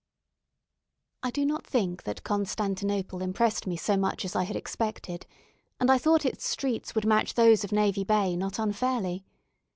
I do not think that Constantinople impressed me so much as I had expected; and I thought its streets would match those of Navy Bay not unfairly.